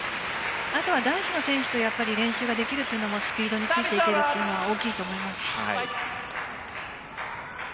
男子の選手と練習ができるというのもスピードについていけるのが大きいと思います。